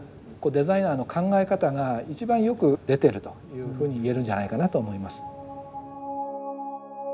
デザイナーの考え方が一番よく出てるというふうに言えるんじゃないかなと思います。